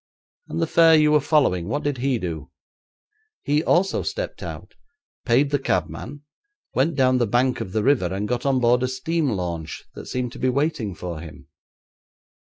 'And the fare you were following? What did he do?' 'He also stepped out, paid the cabman, went down the bank of the river and got on board a steam launch that seemed to be waiting for him.'